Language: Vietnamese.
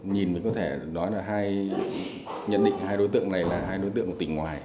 nhìn mình có thể nhận định hai đối tượng này là hai đối tượng của tỉnh ngoài